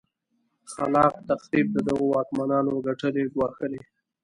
خلا ق تخریب د دغو واکمنانو ګټې ګواښلې.